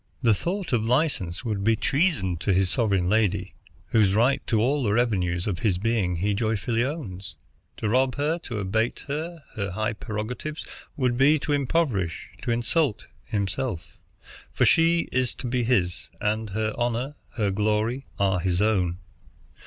The thought of license would be treasop to his sovereign lady, whose right to all the revenues of his being he joyfully owns. To rob her, to abate her high prerogatives, would be to impoverish, to insult, himself; for she is to be his, and her honor, her glory, are his own.